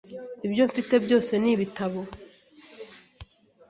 Ibyo mfite byose ni ibitabo .